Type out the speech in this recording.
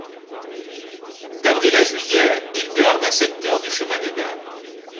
D'avril à juillet il garde un secteur du Chemin des Dames.